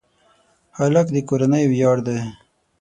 هلک د کورنۍ ویاړ دی.